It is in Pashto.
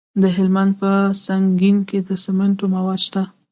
د هلمند په سنګین کې د سمنټو مواد شته.